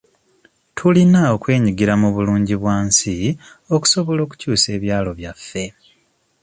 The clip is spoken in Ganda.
Tulina okwenyigira mu bulungibwansi okusobola okukyusa ebyalo byaffe.